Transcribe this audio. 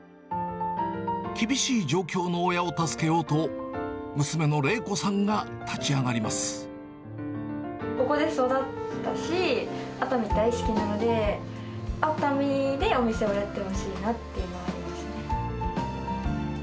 厳しい状況の親を助けようと、ここで育ったし、熱海大好きなので、熱海でお店をやってほしいなっていうのはありますね。